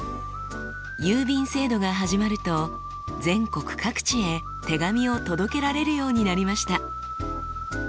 郵便制度が始まると全国各地へ手紙を届けられるようになりました。